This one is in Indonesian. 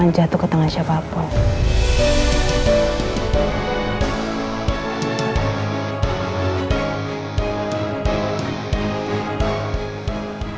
nggak ada masalah